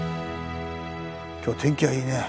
今日天気がいいね。